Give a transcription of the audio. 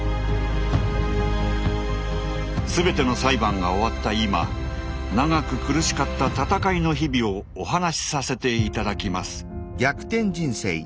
全ての裁判が終わった今長く苦しかった闘いの日々をお話しさせて頂きます。